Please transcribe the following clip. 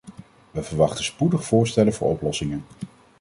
We verwachten spoedig voorstellen voor oplossingen.